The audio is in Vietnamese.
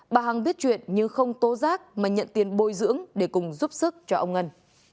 bà hằng biết chuyện nhưng không tố rác mà nhận tiền bồi dưỡng để cùng giúp sức cho ông ngân